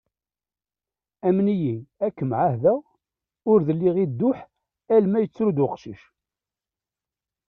Amen-iyi, ad kem-ɛahdeɣ ur dliɣ i dduḥ alma, yettru-d uqcic.